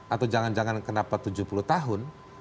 atau jangan jangan kenapa tujuh puluh tahun